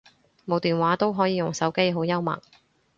冇電話都可以用手機，好幽默